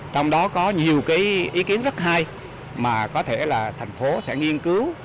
trong đó có nhiều cái ý kiến rất hay mà có thể là thành phố sẽ nghiên cứu